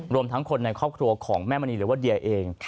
รวมทั้งคนในครอบครัวของแม่มณีหรือว่าเดียเอง